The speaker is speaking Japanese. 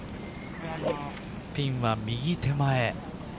ピンは右手前。